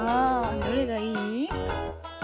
どれがいい？